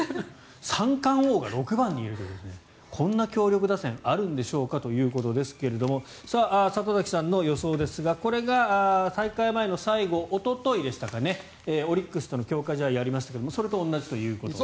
三冠王が６番にいるというこんな強力打線あるんでしょうかということですが里崎さんの予想ですがこれが大会前の最後おとといでしたかねオリックスとの強化試合がありましたがそれと同じということで。